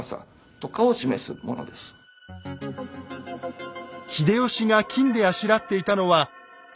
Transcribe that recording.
秀吉が金であしらっていたのは天皇の象徴。